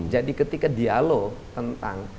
jadi ketika dialog tentang